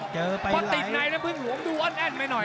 เจอไปหลายพอติดไหนแล้วเพิ่งห่วงดูอ้อนแอ่นไปหน่อย